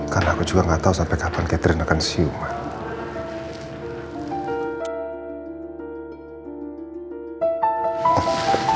karena aku juga nggak tahu sampai kapan catherine akan siuman